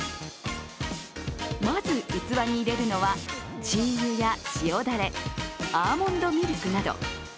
まず、器に入れるのは鶏油や塩だれ、アーモンドミルクなど。